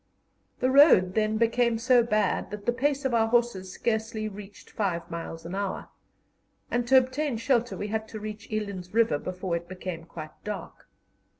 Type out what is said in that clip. The road then became so bad that the pace of our horses scarcely reached five miles an hour, and to obtain shelter we had to reach Eland's River before it became quite dark.